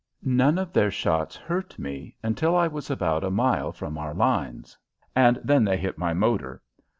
None of their shots hurt me until I was about a mile from our lines, and then they hit my motor.